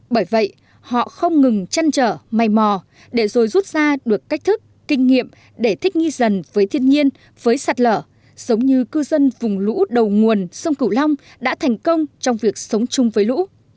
bởi vậy họ không ngừng chăn trở may mò để rồi rút ra được cách thức kinh nghiệm để thích nghi dần với thiên nhiên với sạt lở giống như cư dân vùng lũ đầu nguồn sông cửu long đã thành công trong việc sống chung với lũ